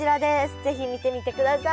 是非見てみてください。